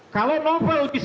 kalau novel bisa di ancam